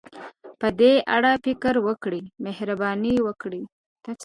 په دې اړه فکر وکړئ، مهرباني وکړئ.